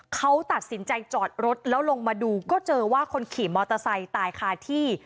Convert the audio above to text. เขาตัดสินใจจอดรถแล้วลงมาดูก็เจอว่าคนขี่มอเตอร์ไซค์ตายคาที่